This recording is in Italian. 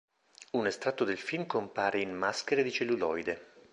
Un estratto del film compare in "Maschere di celluloide".